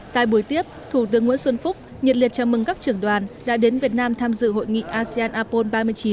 tại buổi tiếp thủ tướng nguyễn xuân phúc nhiệt liệt chào mừng các trưởng đoàn đã đến việt nam tham dự hội nghị asean apol ba mươi chín